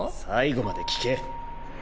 最後まで聞け。